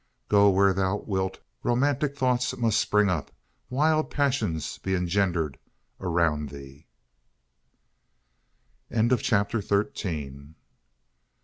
Go where thou wilt, romantic thoughts must spring up wild passions be engendered around thee! CHAPTER FOURTEEN.